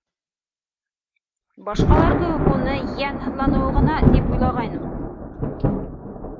Башҡалар кеүек уны йән һыҙланыуы ғына, тип уйлағайным.